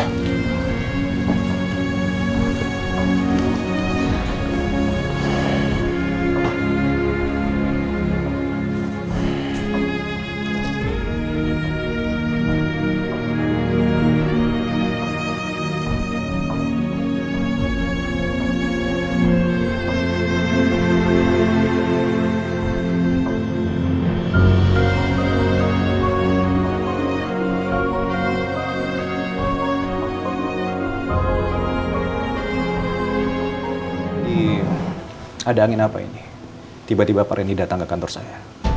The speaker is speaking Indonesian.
jadi ada angin apa ini tiba tiba pak reni datang ke kantor saya